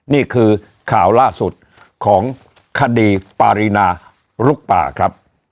นี่คือข่าวล่าสุดของคดีปารีนาลุกป่าครับ